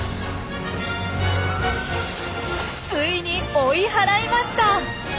ついに追い払いました！